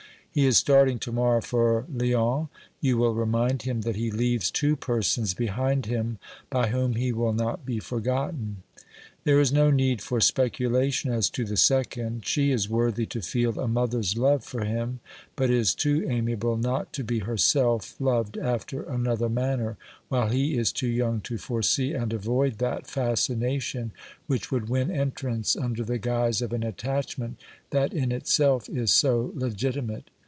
He is starting to morrow for Lyons. You will remind him that he leaves two persons behind him by whom he will not be forgotten. There is no need for speculation as to the second; she is worthy to feel a mother's love for him, but is too amiable not to be herself loved after another manner, while he is too young to foresee and avoid that fascination which would win entrance under the guise of an attachment that in itself is so legitimate.